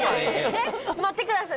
えっ待ってください。